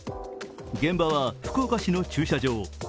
現場は福岡市の駐車場。